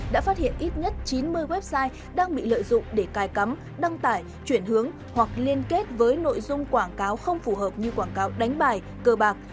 đã phát hiện ít nhất chín mươi website đang bị lợi dụng để cài cắm đăng tải chuyển hướng hoặc liên kết với nội dung quảng cáo không phù hợp như quảng cáo đánh bài cơ bạc